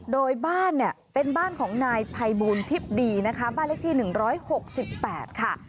โดยบ้านเนี่ยเป็นบ้านของนายภัยบูลทิพย์ดีนะคะบ้านเลขที่๑๖๘ค่ะ